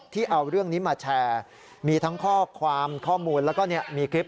เอาเรื่องนี้มาแชร์มีทั้งข้อความข้อมูลแล้วก็มีคลิป